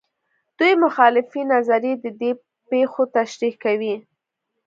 دوې مخالفې نظریې د دې پېښو تشریح کوي.